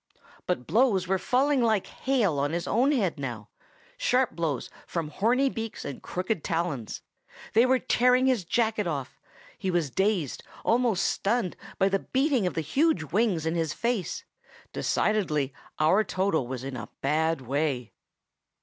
But blows were falling like hail on his own head now,—sharp blows from horny beaks and crooked talons. They were tearing his jacket off. He was dazed, almost stunned, by the beating of the huge wings in his face. Decidedly, our Toto is in a bad way.